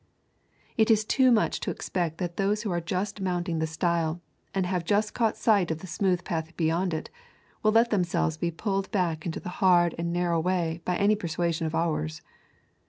It is too much to expect that those who are just mounting the stile, and have just caught sight of the smooth path beyond it, will let themselves be pulled back into the hard and narrow way by any persuasion of ours.